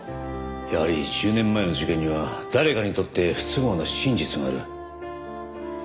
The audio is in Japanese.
やはり１０年前の事件には誰かにとって不都合な真実がある。